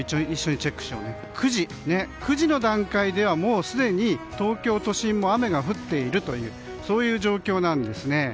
９時の段階ではもうすでに東京都心も雨が降っているという状況です。